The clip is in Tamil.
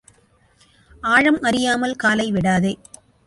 ஆழம் அறியாமல் காலை விடாதே.